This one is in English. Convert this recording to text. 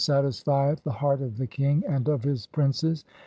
SATISFIETH) THE HEART OF THE KING AND OF HIS PRINCES.